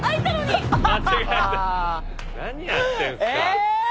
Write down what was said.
え！？